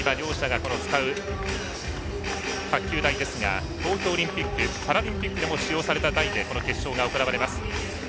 今、両者が使う卓球台ですが東京オリンピック・パラリンピックでも使用された台でこの決勝が行われます。